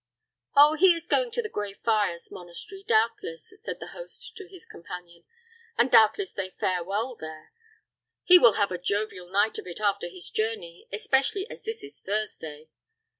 "Oh, he is going to the Gray Friar's monastery, doubtless," said the host to his companion, "and doubtless they fare well there. He will have a jovial night of it after his journey, especially as this is Thursday."